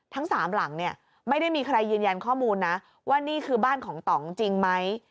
ทั้งสามหลังเนี่ยไม่ได้มีใครยืนยันข้อมูลนะว่านี่คือบ้านของต่องจริงไหม